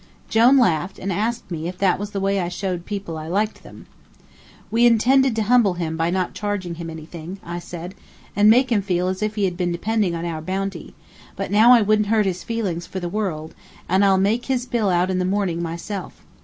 Jone laughed, and asked me if that was the way I showed people I liked them. "We intended to humble him by not charging him anything," I said, "and make him feel he had been depending on our bounty; but now I wouldn't hurt his feelings for the world, and I'll make out his bill in the morning myself.